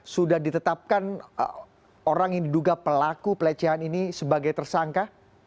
sudah ditetapkan orang yang diduga pelaku pelecehan ini sebagai tersangka